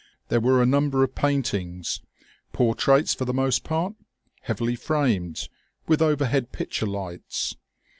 There were a number of paintings, portraits for the most part, heavily framed, with overhead picture lights.